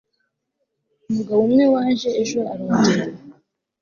umugabo umwe waje ejo arongeye